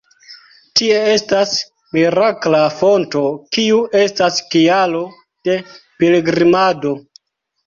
Tie estas mirakla fonto kiu estas kialo de pilgrimado.